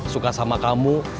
suka sama kamu